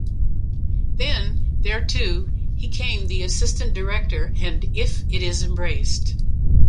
Then, there, too, he came the assistant director and if it is embraced.